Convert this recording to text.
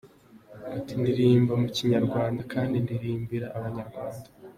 Ati “ Ndirimba mu Kinyarwanda kandi ndirimbira Abanyarwanda.